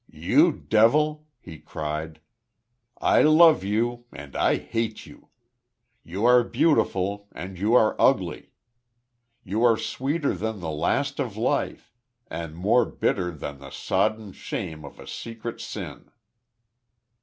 "You devil!" he cried. "I love you and I hate you! You are beautiful and you're ugly! You are sweeter than the last of life and more bitter than the sodden shame of a secret sin!"